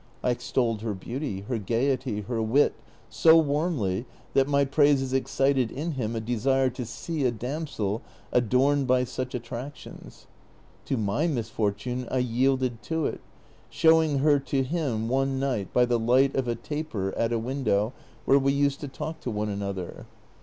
I extolled her beauty, her gayety, her wit, so warml}', that my praises excited in him a desire to see a damsel adorned by such attractions. To my misfortune J yielded to it, showing her to him one night by the light of a taper at a window where we used to talk to one another.